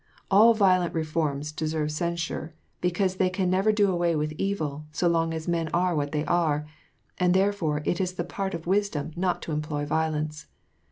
All violent reforms deserve censure, because they can never do away with evil, so long as men are what they are ; and, therefore, it is the part of wis dom not to employ violence.